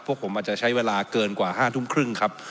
พวกผมอาจจะใช้เวลาเกินกว่า๕ทุ่มครึ่งครับ